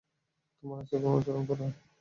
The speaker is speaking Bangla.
তোমরা রাসূলগণের অনুসরণ কর।